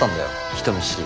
人見知り。